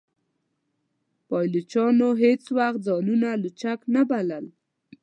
پایلوچانو هیڅ وخت ځانونه لوچک نه بلل.